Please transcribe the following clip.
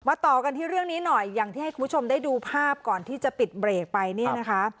ต่อกันที่เรื่องนี้หน่อยอย่างที่ให้คุณผู้ชมได้ดูภาพก่อนที่จะปิดเบรกไปเนี่ยนะคะ